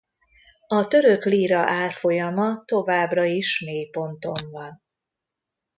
A török líra árfolyama továbbra is mélyponton van.